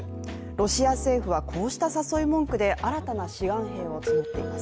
ロシア政府はこうした誘い文句で新たな志願兵を募っています。